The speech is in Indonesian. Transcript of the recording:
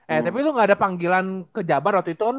eh tapi lu gak ada panggilan ke jabar waktu itu